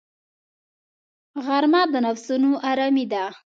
غرمه د نفسونو آرامي ده